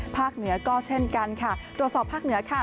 เหนือก็เช่นกันค่ะตรวจสอบภาคเหนือค่ะ